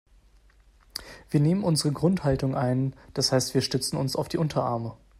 Wir nehmen unsere Grundhaltung ein, das heißt wir stützen uns auf die Unterarme.